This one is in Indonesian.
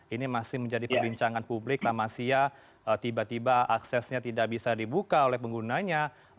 ini masih menjadi perbincangan publik tamasya tiba tiba aksesnya tidak bisa dibuka oleh penggunanya